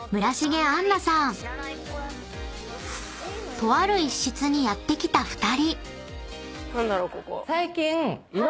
［とある一室にやって来た２人］